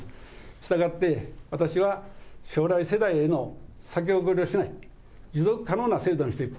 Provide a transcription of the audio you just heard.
したがって私は将来世代への先送りをしない、持続可能な制度にしていく。